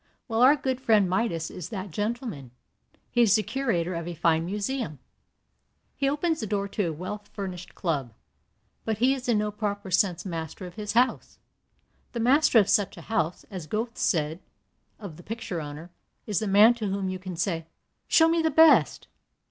Well, our good friend Midas is that gentleman. He is the curator of a fine museum. He opens the door to a well furnished club. But he is in no proper sense master of his house. The master of such a house, as Goethe said of the picture owner, is the man to whom you can say, 'Show me the best.'